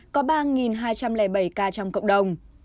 có ba hai trăm linh bảy ca trong cộng đồng